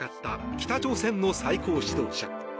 北朝鮮の最高指導者。